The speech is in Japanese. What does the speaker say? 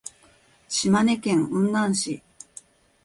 島根県雲南市